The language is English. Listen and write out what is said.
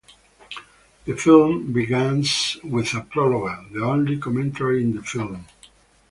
The film begins with a prologue, the only commentary in the film.